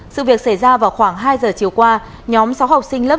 sự việc xảy ra vào khoảng hai h chiều qua nhóm sáu học sinh lớp sáu